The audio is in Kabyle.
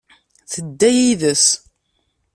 Tedda yid-s.